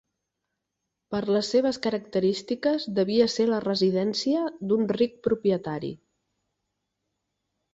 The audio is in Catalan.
Per les seves característiques devia ser la residència d'un ric propietari.